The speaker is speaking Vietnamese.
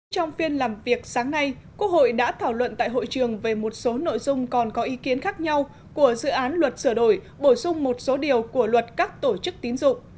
trong phiên làm việc sáng nay quốc hội đã thảo luận tại hội trường về một số nội dung còn có ý kiến khác nhau của dự án luật sửa đổi bổ sung một số điều của luật các tổ chức tín dụng